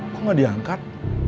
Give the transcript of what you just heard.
kok gak diangkat